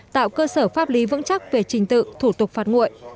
tạo cơ sở pháp lý vững chắc về trình tự thủ tục phạt nguội